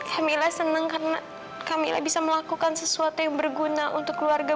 alhamdulillah senang karena kami bisa melakukan sesuatu yang berguna untuk keluarga